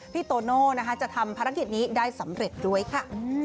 โตโน่นะคะจะทำภารกิจนี้ได้สำเร็จด้วยค่ะ